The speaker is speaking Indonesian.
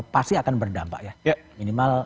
pasti akan berdampak ya minimal